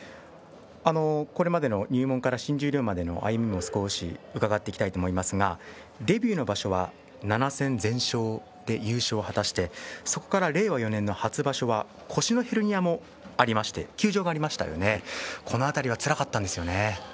これまでの入門から新十両までの歩みも伺っていきたいと思いますがデビューの場所は７戦全勝で優勝を果たしてそこから令和４年初場所は腰のヘルニアもありまして休場がありましたよね。